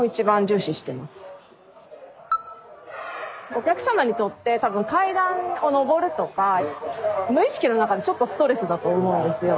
お客さまにとって多分階段を上るとか無意識の中でちょっとストレスだと思うんですよ。